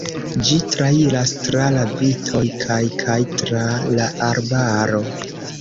Ĝi trairas tra la vitoj kaj kaj tra la arbaro.